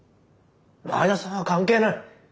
前田さんは関係ない。